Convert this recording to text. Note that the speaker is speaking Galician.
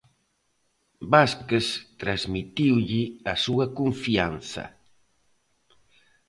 Vázquez transmitiulle a súa confianza.